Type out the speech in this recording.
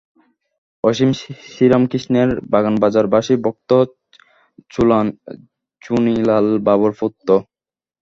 অসীম শ্রীরামকৃষ্ণের বাগবাজারনিবাসী ভক্ত, চুনীলালবাবুর পুত্র।